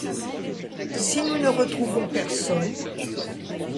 Si nous ne retrouvons personne…